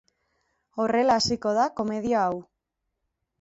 Horrela hasiko da komedia hau.